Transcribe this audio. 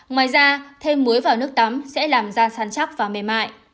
ngoài ra thêm muối vào nước tắm sẽ làm ra sán chắc và mềm mại